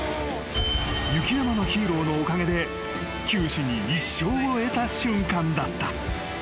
［雪山のヒーローのおかげで九死に一生を得た瞬間だった］